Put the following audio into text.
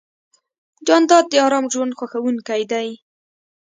جانداد د ارام ژوند خوښوونکی دی.